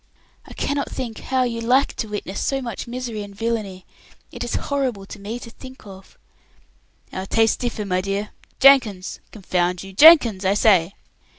"I cannot think how you like to witness so much misery and villainy. It is horrible to think of." "Our tastes differ, my dear. Jenkins! Confound you! Jenkins, I say."